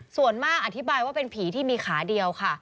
ส่วนมากอธิบายว่าเป็นผีที่มีขาเดียวค่ะ